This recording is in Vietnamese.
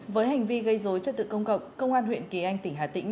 với hành vi gây dối trật tự công cộng công an huyện kỳ anh tỉnh hà tĩnh